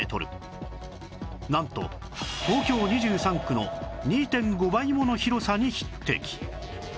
なんと東京２３区の ２．５ 倍もの広さに匹敵